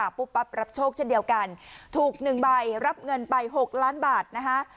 ปุ๊บปั๊บรับโชคเช่นเดียวกันถูก๑ใบรับเงินไป๖ล้านบาทนะคะ